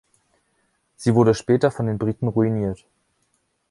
Sie wurde später von den Briten ruiniert.